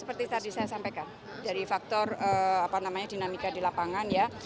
seperti tadi saya sampaikan dari faktor dinamika di lapangan ya